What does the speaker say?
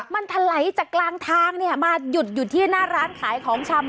มันทะไหลจากกลางทางเนี่ยมาหยุดที่หน้าร้านขายของชาม